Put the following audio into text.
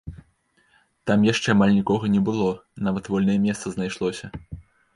Там яшчэ амаль нікога не было, нават вольнае месца знайшлося.